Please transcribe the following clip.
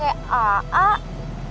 sekarang pake aa